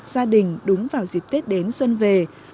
gia đình đúng vào dịp tết đến xuân về